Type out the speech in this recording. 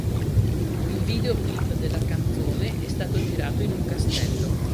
Il videoclip della canzone è stato girato in un castello.